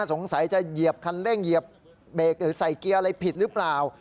สงสัยจะเหยียบคันเร่งเหยียบเบรกหรือใส่เกียร์อะไรผิดหรือเปล่า